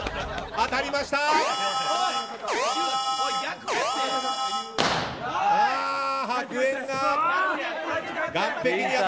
当たりました。